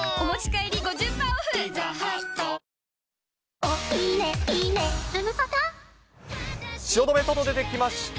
ドラマ、汐留、外出てきました。